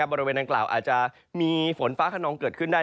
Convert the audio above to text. บริเวณดังกล่าวอาจจะมีฝนฟ้าขนองเกิดขึ้นได้